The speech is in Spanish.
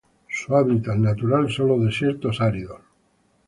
Su hábitat natural son los desiertos áridos.